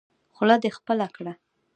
خوله دې خپله کړه.